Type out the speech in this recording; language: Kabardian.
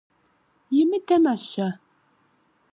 Имыдэмэ-щэ?